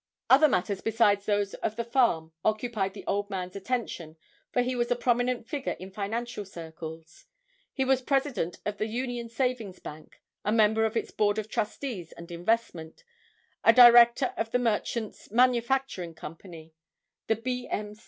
Other matters besides those of the farm occupied the old man's attention for he was a prominent figure in financial circles. He was president of the Union Savings Bank, a member of its Board of Trustees and investment, a director of the Merchants Manufacturing Company, the B. M.